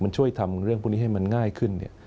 มันช่วยทำเรื่องพวกนี้ให้มันง่ายขึ้น